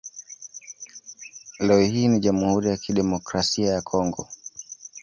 Leo hii ni Jamhuri ya Kidemokrasia ya Kongo.